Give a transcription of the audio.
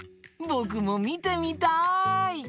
ぼくもみてみたい！